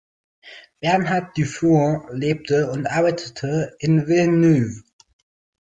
Bernard Dufour lebte und arbeitete in Villeneuve.